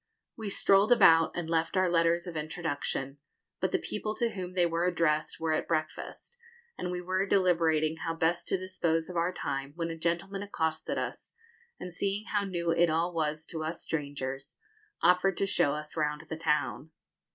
We strolled about, and left our letters of introduction; but the people to whom they were addressed were at breakfast, and we were deliberating how best to dispose of our time, when a gentleman accosted us, and, seeing how new it all was to us strangers, offered to show us round the town.